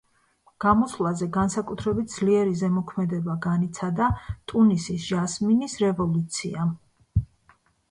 გამოსვლაზე განსაკუთრებით ძლიერი ზემოქმედება განიცადა ტუნისის ჟასმინის რევოლუციამ.